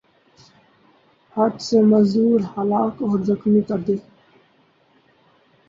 ہت سے مزدور ہلاک اور زخمی کر دے